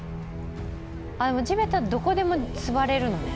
地べた、どこでも座れるのね。